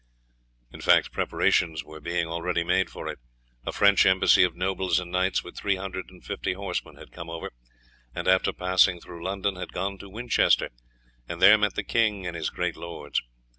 In fact, preparations were being already made for it. A French embassy of nobles and knights, with three hundred and fifty horsemen, had come over, and, after passing through London, had gone to Winchester, and there met the king and his great lords.